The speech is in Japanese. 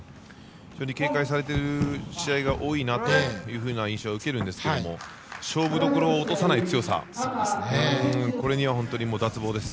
警戒されている試合が多いなという印象は受けるんですが勝負どころを落とさない強さこれには本当に脱帽です。